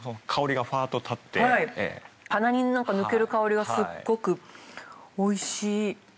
はい鼻に抜ける香りがすっごくおいしい。